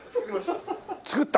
作った？